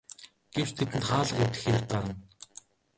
Гэвч тэдэнд хаалга эвдэх хэрэг гарна.